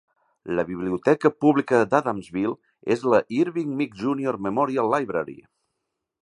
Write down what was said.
La biblioteca pública d'Adamsville és la Irving Meek Junior Memorial Library.